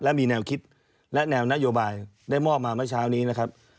และมีแนวคิดและแนวนโยบายได้มอบมาเมื่อเช้านี้นะครับ